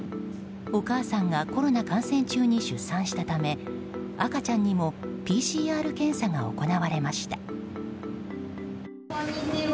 お母さんがコロナ感染中に出産したため赤ちゃんにもＰＣＲ検査が行われました。